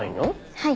はい。